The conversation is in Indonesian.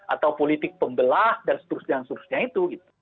atau politik pembelah dan seterusnya itu